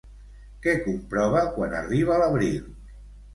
Què comprova quan arriba l'abril?